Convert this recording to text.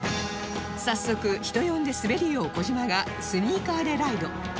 早速人呼んでスベり王児嶋がスニーカーでライド